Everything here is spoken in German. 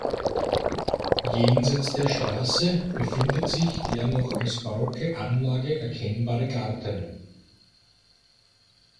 Jenseits der Straße befindet sich der noch als barocke Anlage erkennbare Garten.